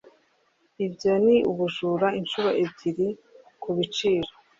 ibyo ni ubujura inshuro ebyiri kubiciro